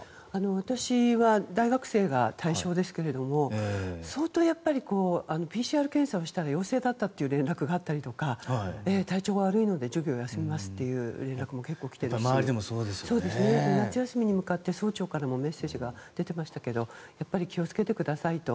私は大学生が対象ですが相当、ＰＣＲ検査をしたら陽性だったという連絡があったりとか体調が悪いので授業を休みますという連絡も来ていて夏休みに向かって総長からもメッセージが出ていましたけど気を付けてくださいと。